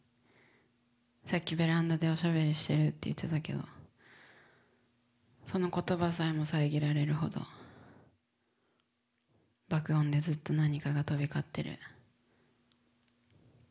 さっきベランダでおしゃべりしてるって言ってたけどその言葉さえも遮られるほど爆音でずっと何かが飛び交ってる。